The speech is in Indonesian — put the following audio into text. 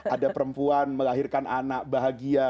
ada perempuan melahirkan anak bahagia